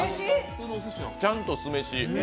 ちゃんと酢飯。